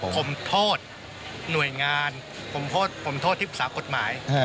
ผมโทษหน่วยงานผมโทษทิศภาคกฎหมาย